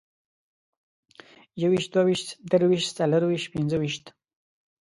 يويشت، دوه ويشت، درويشت، څلرويشت، پينځويشت